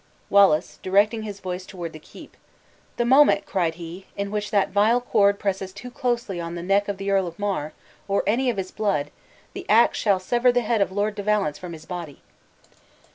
Wallace, directing his voice toward the keep: "The moment," cried he, "in which that vile cord presses too closely on the neck of the Earl of Mar, or any of his blood, the ax shall sever the head of Lord de Valence from his body!"